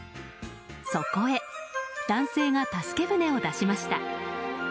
そこへ、男性が助け舟を出しました。